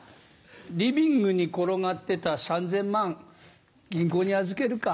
リビングに転がってた３０００万銀行に預けるか。